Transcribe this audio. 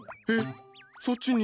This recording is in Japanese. えっ